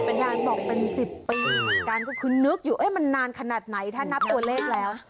เป็นยายบอกเป็นสิบปีกันก็คือนึกอยู่มันนานขนาดไหนถ้านับตัวเลขแล้ว